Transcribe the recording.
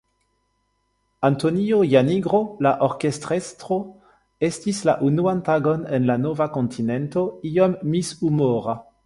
Antonio Janigro, la orkestrestro, estis la unuan tagon en la nova kontinento iom mishumora.